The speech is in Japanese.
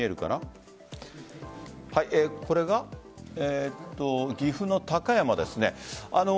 これが岐阜の高山ですね。